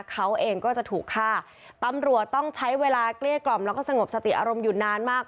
เขาเองก็จะถูกฆ่าตำรวจต้องใช้เวลาเกลี้ยกล่อมแล้วก็สงบสติอารมณ์อยู่นานมาก